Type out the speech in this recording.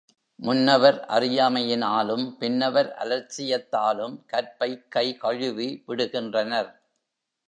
முன்னவர் அறியாமையினாலும், பின்னவர் அலட்சியத்தாலும் கற்பைக் கைகழுவி விடுகின்றனர்.